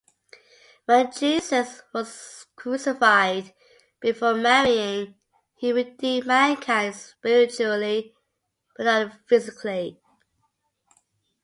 When Jesus was crucified before marrying, he redeemed mankind spiritually but not physically.